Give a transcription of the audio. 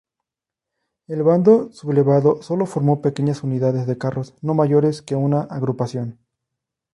El bando sublevado solo formó pequeñas unidades de carros, no mayores que una agrupación.